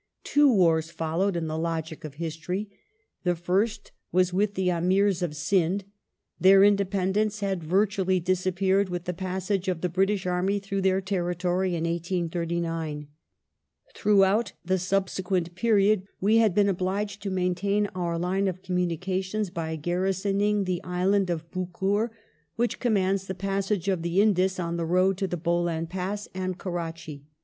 Two wai*s followed in the logic of history. The first ^^^ was with the Amirs of Sind. Their independence had virtually disappeared with the passage of the British army through their tenitoiy in 1839. Throughout the subsequent period we had been obliged to maintain our lineof commimications by garrisoning the island of Bukkur, which commands the passage of the Indus, on the road to the Bolan Pass, and Kurrachi.